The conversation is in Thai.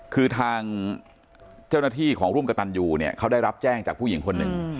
คือทางเจ้าหน้าที่ของร่วมกระตันยูเนี่ยเขาได้รับแจ้งจากผู้หญิงคนหนึ่ง